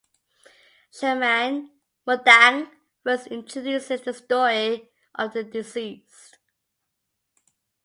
Shaman ("Mudang") first introduces the story of the deceased.